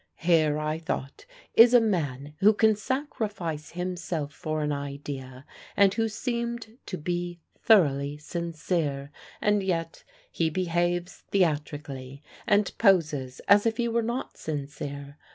Here, I thought, is a man who can sacrifice himself for an idea, and who seemed to be thoroughly sincere, and yet he behaves theatrically and poses as if he were not sincere.